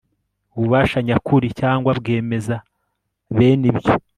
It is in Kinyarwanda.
ububasha nyakuri cyangwa bwemeza bene ibyo